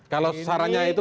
kalau saranya itu